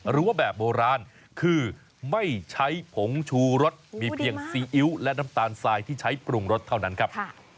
ว่าแบบโบราณคือไม่ใช้ผงชูรสมีเพียงซีอิ๊วและน้ำตาลทรายที่ใช้ปรุงรสเท่านั้นครับ